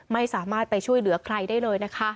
ไม่สามารถไปช่วยเหลือใครได้เลยนะคะ